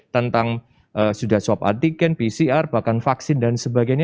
tentang sudah swab antigen pcr bahkan vaksin dan sebagainya